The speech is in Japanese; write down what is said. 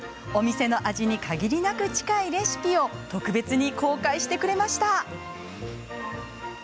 お店の味に限りなく近いレシピを特別に公開してくれました。